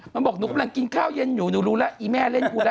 มันบอกหนูกำลังกินข้าวเย็นอยู่หนูรู้แล้วอีแม่เล่นกูแล้ว